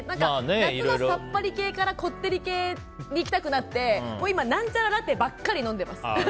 夏のさっぱり系からこってり系にいきたくなって今、何ちゃらラテばっかり飲んでます。